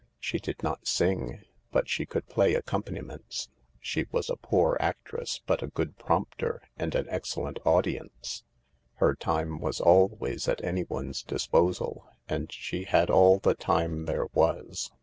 She did not sing, but she could play accompaniments ; she was a poor actress, but a good prompter and an excellent audience ; her time was always at anyone's disposal, and she had all the time there was.